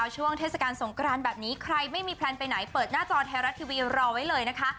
ช่วงเทศกาลสงกรานแบบนี้ใครไม่มีแพลนไปไหนเปิดหน้าจอไทยรัฐทีวีรอไว้เลยนะคะ